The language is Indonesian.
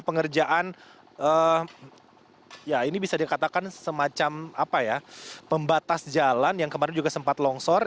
pengerjaan ya ini bisa dikatakan semacam pembatas jalan yang kemarin juga sempat longsor